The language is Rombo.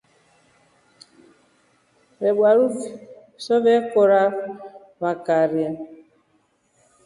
Rebweru soko vekora vakaria.